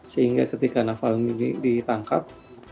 sehingga ketika navalny ditangkap